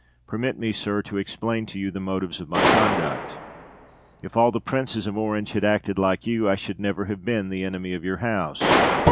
Permit me, sir, to explain to you the motives of my conduct. If all the Princes of Orange had acted like you, I should never have been the enemy of your house.